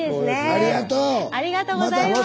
ありがとうございます。